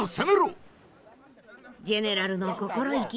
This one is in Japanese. ジェネラルの心意気